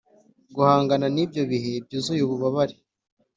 guhangana nibyo bihe byuzuye ububabare,